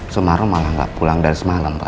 sumarno malah nggak pulang dari semalam pak